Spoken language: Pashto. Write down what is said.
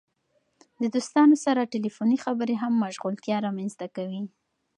د دوستانو سره ټیلیفوني خبرې هم مشغولتیا رامنځته کوي.